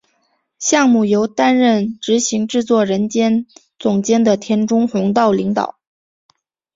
项目由担任执行制作人兼总监的田中弘道领导。